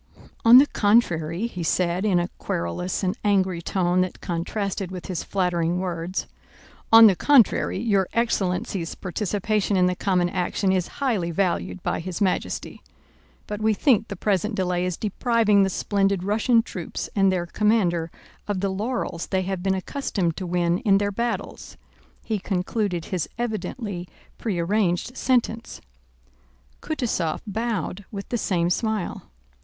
"On the contrary," he said, in a querulous and angry tone that contrasted with his flattering words, "on the contrary, your excellency's participation in the common action is highly valued by His Majesty; but we think the present delay is depriving the splendid Russian troops and their commander of the laurels they have been accustomed to win in their battles," he concluded his evidently prearranged sentence. Kutúzov bowed with the same smile.